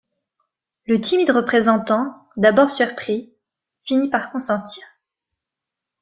Le timide représentant, d'abord surpris, finit par consentir.